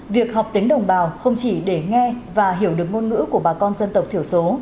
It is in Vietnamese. việc họp tính đồng bào không chỉ để nghe và hiểu được ngôn ngữ của bà con dân tộc thiểu số